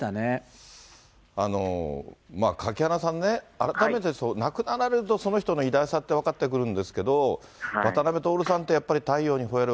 垣花さんね、改めて、亡くなられるとその人の偉大さって分かってくるんですけど、渡辺徹さんって、やっぱり太陽にほえろ！